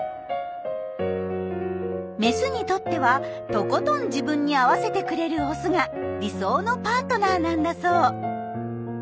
メスにとってはとことん自分に合わせてくれるオスが理想のパートナーなんだそう。